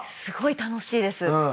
すごい楽しいです。